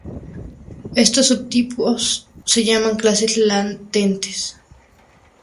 Estos subtipos se llaman "clases latentes".